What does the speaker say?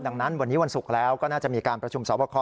ดังนั้นวันนี้วันศุกร์แล้วก็น่าจะมีการประชุมสอบคอ